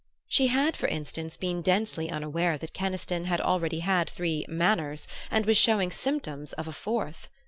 She had, for instance, been densely unaware that Keniston had already had three "manners," and was showing symptoms of a fourth.